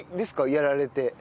やられて。